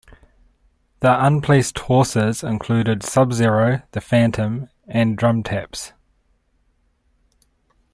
The unplaced horses included Subzero, The Phantom and Drum Taps.